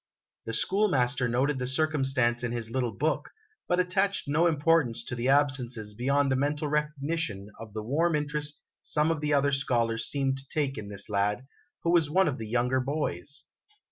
The schoolmaster noted the circumstance in his little book, but attached no importance to the absences beyond a mental recognition of the warm interest some of the other scholars seemed to take in this lad, who was one of the younger boys.